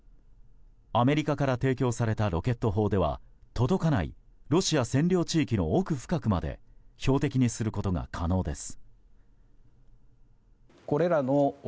アメリカから提供されたロケット砲では届かないロシア占領地域の奥深くまで標的にすることが可能です。